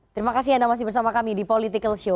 terima kasih anda masih bersama kami di political show